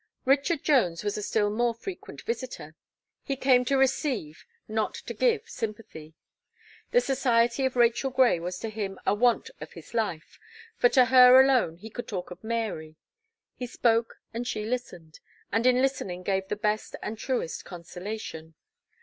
Richard Jones was a still more frequent visitor. He came to receive, not to give sympathy. The society of Rachel Gray was to him a want of his life, for to her alone he could talk of Mary; he spoke and she listened, and in listening gave the best and truest consolation.